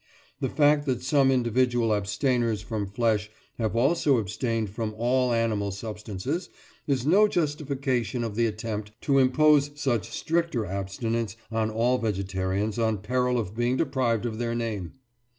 The fact that some individual abstainers from flesh have also abstained from all animal substances is no justification of the attempt to impose such stricter abstinence on all vegetarians on peril of being deprived of their name.